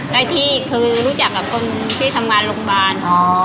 ได้ที่คือรู้จักกับคนที่ทำงานโรงพยาบาล